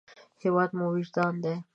هېواد مو وجدان دی